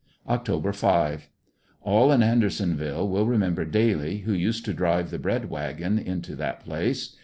Oct. 5. — All in Andersonville will remember Daly, who used to drive the bread wagon into that place.